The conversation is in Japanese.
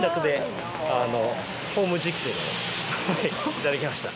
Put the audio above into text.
いただきました。